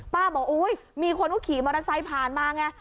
บอกอุ๊ยมีคนเขาขี่มอเตอร์ไซค์ผ่านมาไง